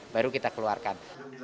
baru kita keluarkan